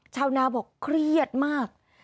ชาวนาบอกเครียดมาก